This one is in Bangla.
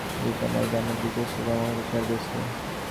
কালে মানুষ বুঝিতে পারে, সুখের দিকে নয়, জ্ঞানের দিকেই সে ক্রমাগত চলিয়াছে।